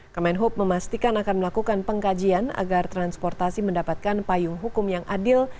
kemenhub memastikan akan melakukan pengkajian agar transportasi mendapatkan payung hukum yang adil